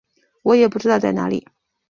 我也不知道在哪里